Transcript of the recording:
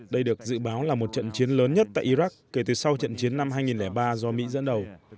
đây được dự báo là một trận chiến lớn nhất tại iraq kể từ sau trận chiến năm hai nghìn ba do mỹ dẫn đầu